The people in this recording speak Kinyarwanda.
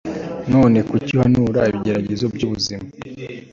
noneho kuki uhanura ibigeragezo byubuzima